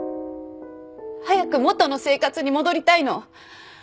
早く元の生活に戻りたいの。